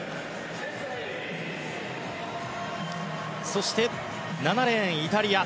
そして、７レーンイタリア。